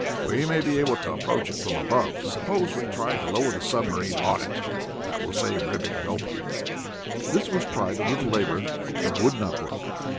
We may be able to approach it from above. Suppose we try to lower the submarine on it? That will save ripping it open." This was tried a little later, but would not work.